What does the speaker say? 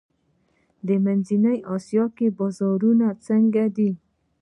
د منځنۍ اسیا بازارونه څنګه دي؟